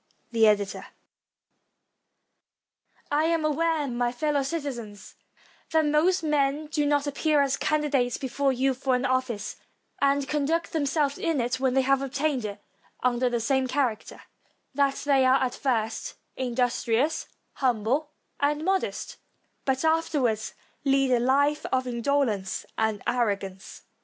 The Editor,] I AM aware, my fellow citizens, that most men do not appear as candidates before you for an ofl&ce, and con duct themselves in it when they have obtained it under the same character; that they are at first industrious, humble, and modest, but afterwards lead a life of indo lence and arrogance.